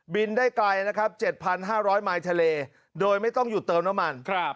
บินได้ไกลนะครับเจ็ดพันห้าร้อยไมล์ทะเลโดยไม่ต้องหยุดเติมน้ำมันครับ